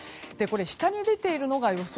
下に出ているのが予想